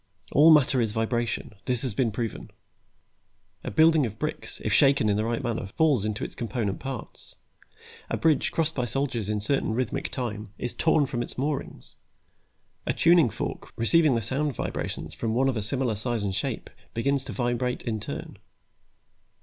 All matter is vibration; that has been proven. A building of bricks, if shaken in the right manner, falls into its component parts; a bridge, crossed by soldiers in certain rhythmic time, is torn from its moorings. A tuning fork, receiving the sound vibrations from one of a similar size and shape begins to vibrate in turn.